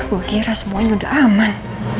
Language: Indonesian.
aku kira semuanya udah aman